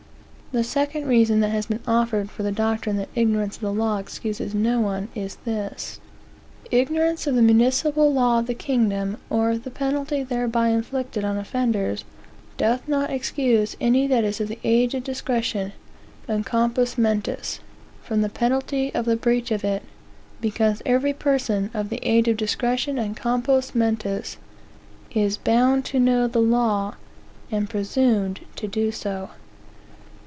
The second reason that has been offered for the doctrine that ignorance of the law excuses no one, is this: "Ignorance of the municipal law of the kingdom, or of the penalty thereby inflicted on offenders, doth not excuse any that is of the age of discretion and compos mentis, from the penalty of the breach of it; because every person, of the age of discretion and compos mentis, is bound to know the law, and presumed to do so.